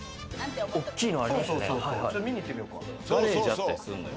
大きいのありましたね。